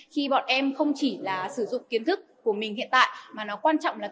khi bọn em không chỉ là sử dụng kiến thức của mình hiện tại mà nó quan trọng là